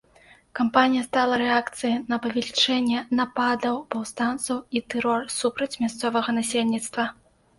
Кампанія стала рэакцыяй на павелічэнне нападаў паўстанцаў і тэрор супраць мясцовага насельніцтва.